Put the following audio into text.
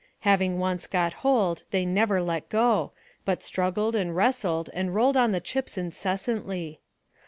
Having once got hold they never let go, but struggled and wrestled and rolled on the chips incessantly.